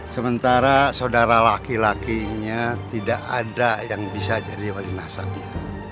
sementara saudara laki lakinya tidak ada yang bisa jadi walinasanya